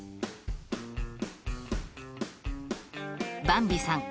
ばんびさん